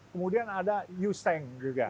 kemudian ada yuseng juga